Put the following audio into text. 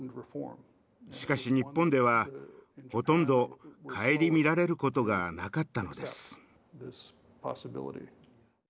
しかし日本ではほとんど省みられる事がなかったのです。